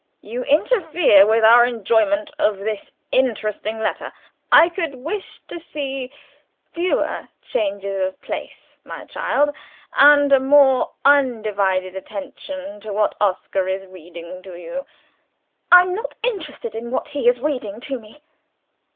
You interfere with our enjoyment of this interesting letter. I could wish to see fewer changes of place, my child, and a more undivided attention to what Oscar is reading to you." "I am not interested in what he is reading to me."